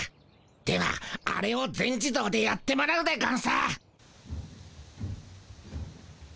ではあれを全自動でやってもらうでゴンス。